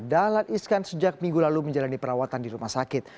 dahlan iskan sejak minggu lalu menjalani perawatan di rumah sakit